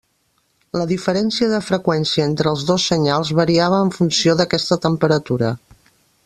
La diferència de freqüència entre els dos senyals variava en funció d'aquesta temperatura.